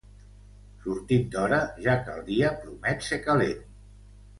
Sortim d'hora ja que el dia promet ser calent.